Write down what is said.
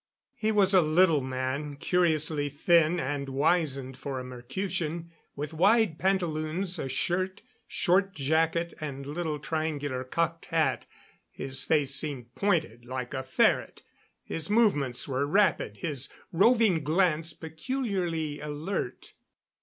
He was a little man, curiously thin and wizened for a Mercutian, with wide pantaloons, a shirt, short jacket and little triangular cocked hat. His face seemed pointed, like a ferret. His movements were rapid, his roving glance peculiarly alert.